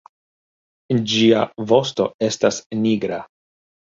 Ĝia vosto estas nigra.